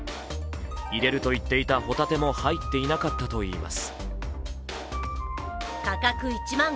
入れると言っていたほたても入っていなかったといいます。